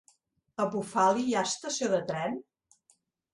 A Bufali hi ha estació de tren?